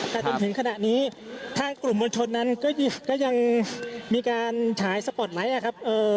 แต่จนถึงขณะนี้ทางกลุ่มมวลชนนั้นก็ยังมีการฉายสปอร์ตไลท์นะครับ